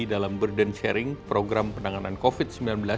dalam burden sharing program penanganan covid sembilan belas